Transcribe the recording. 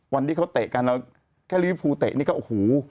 วันที่เขาเตะกันแล้วแค่ลิวภูเตะนี่ก็โอ้โห